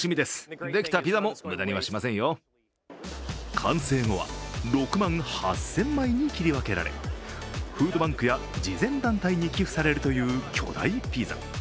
完成後は６万８０００枚に切り分けられフードバンクや慈善団体に寄付されるという巨大ピザ。